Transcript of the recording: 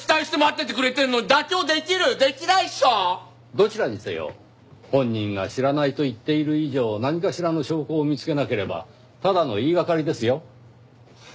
どちらにせよ本人が知らないと言っている以上何かしらの証拠を見つけなければただの言いがかりですよ。